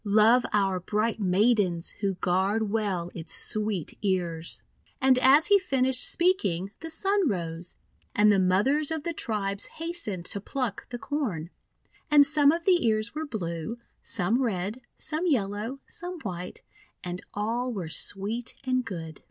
Love our bright Maidens, Who guard well its sweet ears!" And as he finished speaking, the Sun rose, and the mothers of the tribes hastened to pluck the Corn. And some of the ears were blue, some red, some yellow, some white, and all were sweet and good.